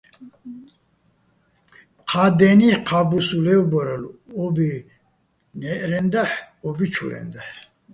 ჴა დენიჰ̦, ჴა ბუსუ́ჲ ლე́ვბორალო̆ ო́ბი ნჵაჲჸრენდაჰ̦, ო́ბი ჩუჲჰ̦რენდაჰ̦.